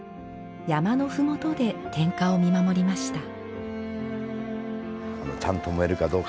山のふもとで点火を見守りました。